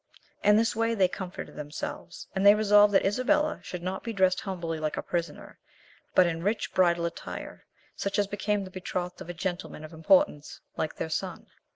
In this way, they comforted themselves, and they resolved that Isabella should not be dressed humbly like a prisoner, but in rich bridal attire, such as became the betrothed of a gentleman of importance Ike their son.